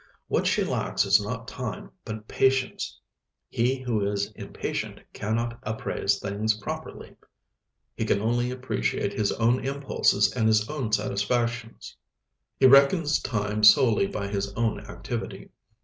What she lacks is not time but patience. He who is impatient cannot appraise things properly; he can only appreciate his own impulses and his own satisfactions. He reckons time solely by his own activity.